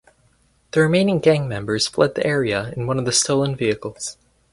The remaining gang members fled the area in one of the stolen vehicles.